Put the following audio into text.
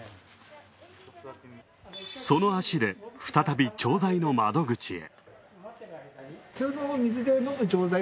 その足で、再び調剤の窓口へ。